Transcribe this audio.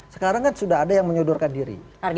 sekarang kan sudah ada yang menyodorkan diri